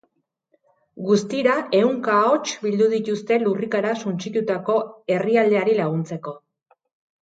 Guztira ehunka ahots bildu dituzte lurrikarak suntsitutako herrialdeari laguntzeko.